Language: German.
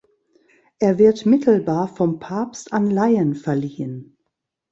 Er wird mittelbar vom Papst an Laien verliehen.